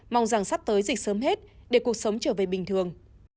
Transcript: mong rằng sắp tới dịch sớm hết để cuộc sống trở về bình thường